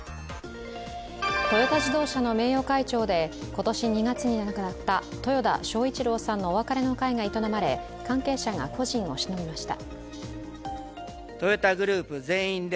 トヨタ自動車の名誉会長で今年２月に亡くなった豊田章一郎さんのお別れの会が営まれ、関係者が故人をしのびました。